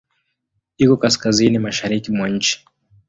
Iko kaskazini-mashariki mwa nchi.